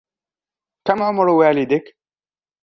كم عمر والدك؟